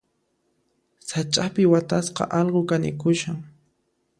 Sach'api watasqa allqu kanikushan.